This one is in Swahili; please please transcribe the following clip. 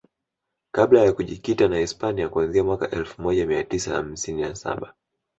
kabla ya kujikita na Hispania kuanzia mwaka elfu moja mia tisa hamsini na saba